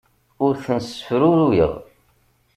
Ur ten-ssefruruyeɣ.